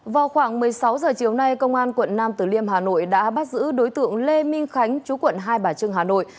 vào khoảng một mươi sáu h chiều nay công an quận nam tử liêm hà nội đã bắt giữ đối tượng lê minh khánh chú quận hai bà trưng hà nội